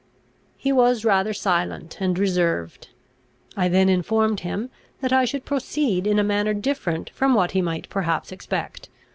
He was rather silent and reserved. I then informed him, that I should proceed in a manner different from what he might perhaps expect.